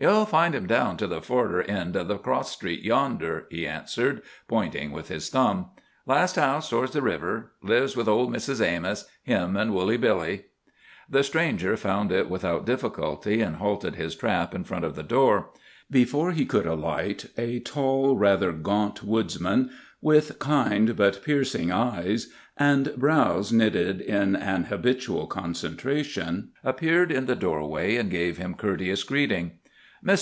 "You'll find him down to the furder end of the cross street yonder," he answered, pointing with his thumb. "Last house towards the river. Lives with old Mrs. Amos—him an' Woolly Billy." The stranger found it without difficulty, and halted his trap in front of the door. Before he could alight, a tall, rather gaunt woodsman, with kind but piercing eyes and brows knitted in an habitual concentration, appeared in the doorway and gave him courteous greeting. "Mr.